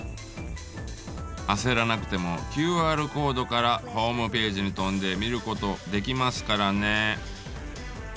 焦らなくてもＱＲコードからホームページに飛んで見ることできますからね。